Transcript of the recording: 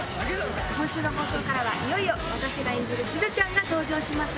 今週の放送からはいよいよ私が演じるしずちゃんが登場します。